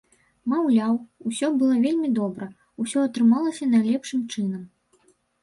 Маўляў, усё было вельмі добра, усё атрымалася найлепшым чынам.